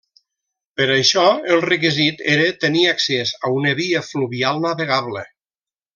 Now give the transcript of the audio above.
Per a això, el requisit era tenir accés a una via fluvial navegable.